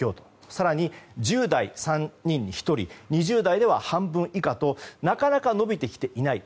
更に１０代は３人に１人２０代では半分以下となかなか伸びてきていない。